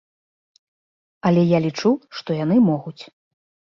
Але я лічу, што яны могуць.